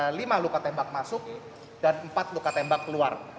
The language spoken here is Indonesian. jelas kita lihat ada lima luka tembak masuk dan empat luka tembak keluar